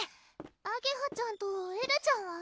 あげはちゃんとエルちゃんは？